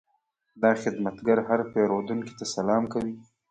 دا خدمتګر هر پیرودونکي ته سلام کوي.